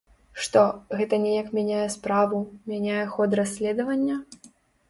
Што, гэта неяк мяняе справу, мяняе ход расследавання?